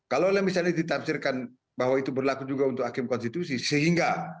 kalau misalnya ditafsirkan bahwa itu berlaku juga untuk hakim konstitusi sehingga